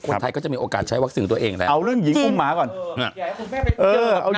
คนไทยก็จะมีโอกาสใช้วัคซีนตัวเองแหละ